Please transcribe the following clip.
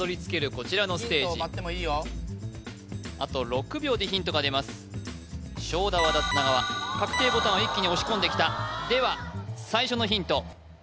こちらのステージあと６秒でヒントがでます勝田和田砂川確定ボタンを一気に押し込んできたでは最初のヒント